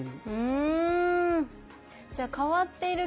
うん！